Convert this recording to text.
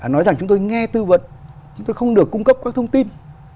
nói rằng chúng tôi nghe tư vấn chúng tôi không được cung cấp các thông tin